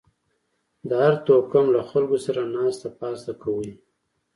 د هر توکم له خلکو سره ناسته پاسته کوئ